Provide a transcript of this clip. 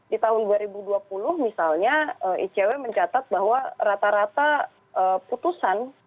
di tahun dua ribu dua puluh misalnya icw mencatat bahwa rata rata putusan